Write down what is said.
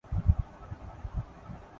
میں دینی مدارس پر کالم لکھوں گا۔